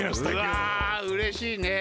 うわうれしいね。